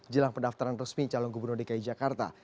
jelang pendaftaran resmi calon gubernur dki jakarta